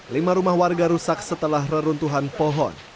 lima rumah warga rusak setelah reruntuhan pohon